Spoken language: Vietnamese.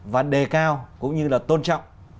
và đề cao cũng như là tôn trọng